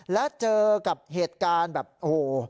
และเจอกับเหตุการณ์แบบโอ้โห